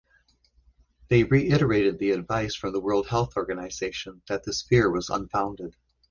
They reiterated the advice from the World Health Organization that this fear was unfounded.